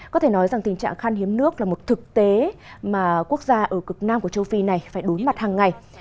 có thể nói rằng tình trạng khan hiếm nước là một thực tế mà quốc gia ở cực nam của châu phi này phải đối mặt hàng ngày